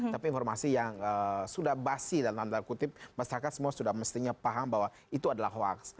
tapi informasi yang sudah basi dan tanda kutip masyarakat semua sudah mestinya paham bahwa itu adalah hoax